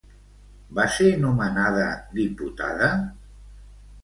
Va ser nomenada diputada?